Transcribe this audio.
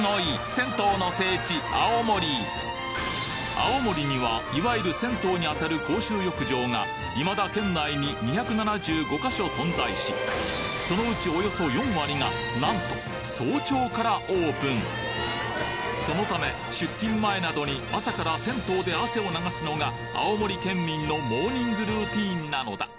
青森にはいわゆる銭湯にあたる公衆浴場がいまだ県内に２７５か所存在しそのうちそのため出勤前などに朝から銭湯で汗を流すのが青森県民のモーニングルーティンなのだ